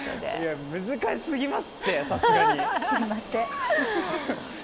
難しすぎますって、さすがに！